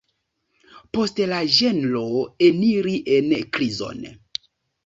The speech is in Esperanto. Poste la ĝenro eniri en krizon.